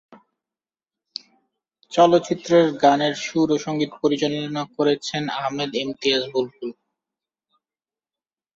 চলচ্চিত্রের গানের সুর ও সঙ্গীত পরিচালনা করেছেন আহমেদ ইমতিয়াজ বুলবুল।